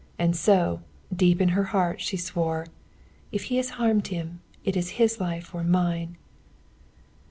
And so, deep in her heart, she swore, "If he has harmed him, it is his life or mine!"